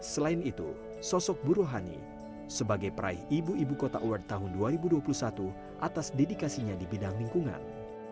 selain itu sosok bu rohani sebagai peraih ibu ibu kota award tahun dua ribu dua puluh satu atas dedikasinya di bidang lingkungan